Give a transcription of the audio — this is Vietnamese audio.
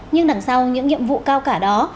nhưng đằng sau những nhiệm vụ cao cả đó